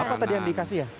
apa tadi yang dikasih ya